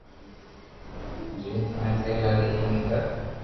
جويم ٿني سھي لاگي ايم اي ڪر